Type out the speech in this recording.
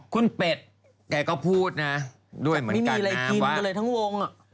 คุณเป็ดแกก็พูดนะด้วยเหมือนกันน้ำว่าไม่มีอะไรกินกันเลยทั้งวง